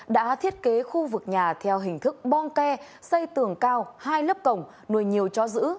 đã thiết kế khu vực nhà theo hình thức bong ke xây tường cao hai lớp cổng nuôi nhiều chó giữ